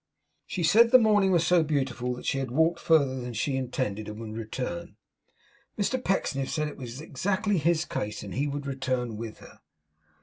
She said the morning was so beautiful that she had walked further than she intended, and would return. Mr Pecksniff said it was exactly his case, and he would return with her.